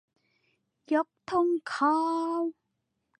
ยกธงขาว